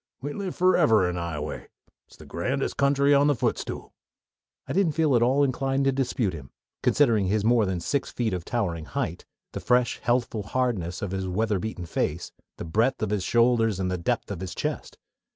We live forever in Ioway. It's the grandest country on the footstool." I didn't feel at all inclined to dispute him, considering his more than six feet of towering height, the fresh, healthful hardness of his weather beaten face, the breadth of his shoulders, and depth of his chest.